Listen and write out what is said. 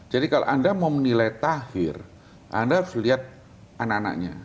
jadi kalau anda mau menilai tahir anda harus lihat anak anaknya